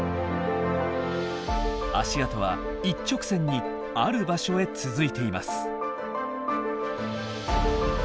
足跡は一直線にある場所へ続いています。